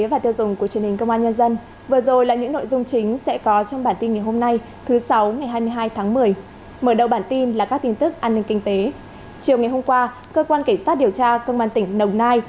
hãy đăng ký kênh để ủng hộ kênh của chúng mình nhé